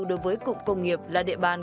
đối với cụm công nghiệp là địa bàn